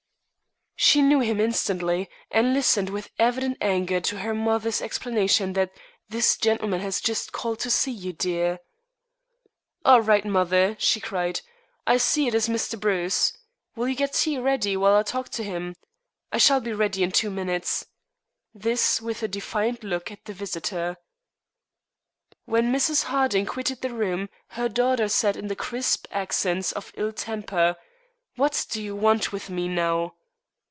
She knew him instantly, and listened with evident anger to her mother's explanation that "this gentleman has just called to see you, dear." "All right, mother," she cried. "I see it is Mr. Bruce. Will you get tea ready while I talk with him? I shall be ready in two minutes." This with a defiant look at the visitor. When Mrs. Harding quitted the room her daughter said in the crisp accents of ill temper: "What do you want with me, now?"